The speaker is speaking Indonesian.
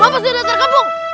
bapak sudah terkepung